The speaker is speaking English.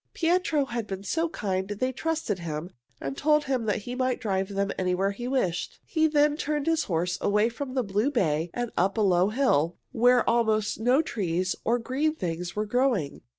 Pietro had been so kind they trusted him and told him he might drive them anywhere he wished. He then turned his horses away from the blue bay and up a low hill, where almost no trees or green things were growing.